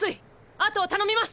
あとを頼みます！